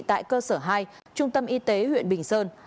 tại cơ sở hai trung tâm y tế huyện bình sơn